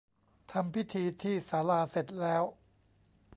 ทำพิธีที่ศาลาเสร็จแล้ว